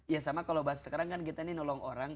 ya sama kalau bahasa sekarang kan kita ini nolong orang